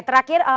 terakhir pak beni